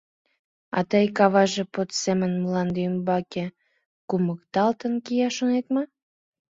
А тый, каваже под семын мланде ӱмбаке кумыкталтын кия, шонет мо?